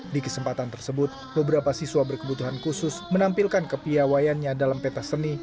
di kesempatan tersebut beberapa siswa berkebutuhan khusus menampilkan kepiawayannya dalam peta seni